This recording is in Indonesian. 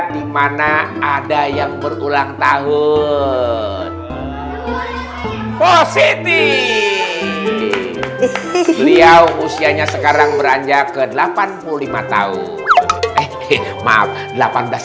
dimana ada yang berulang tahun positif beliau usianya sekarang beranjak ke delapan puluh lima tahun eh maaf